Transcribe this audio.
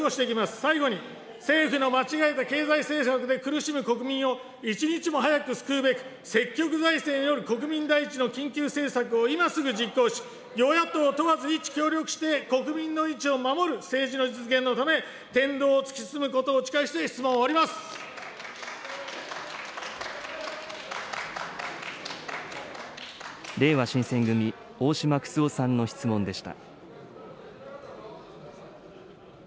最後に、政府の間違えた経済政策で苦しむ国民を一日も早く救うべく、積極財政により、国民第一の緊急政策を今すぐ実行し、与野党問わず一致協力して、国民が主役の政治を取り戻すため、今すぐ守る政治の実現のため、天道を突き進むことをお誓いして、れいわ新選組、大島九州男さんの質問でした。